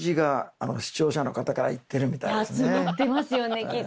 集まってますよねきっと。